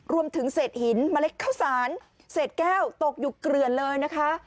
รวมถึงเศษหินเมล็ดข้าวสารเศษแก้วตกอยู่เกลือนเลยนะคะ